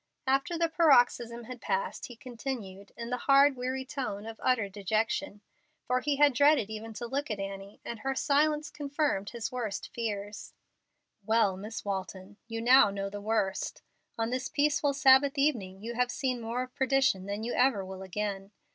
After the paroxysm had passed, he continued, in the hard, weary tone of utter dejection (for he had dreaded even to look at Annie, and her silence confirmed his worst fears), "Well, Miss Walton, you now know the worst. On this peaceful Sabbath evening you have seen more of perdition than you ever will again.